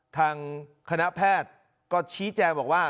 ทางคณะแพทย์ก็ชี้แจงบอกว่า